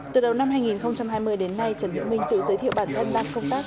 từ đầu năm hai nghìn hai mươi đến nay trần hữu minh tự giới thiệu bản thân đang công tác